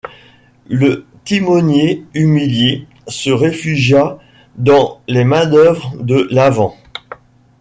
Le timonier humilié se réfugia dans les manœuvres de l’avant.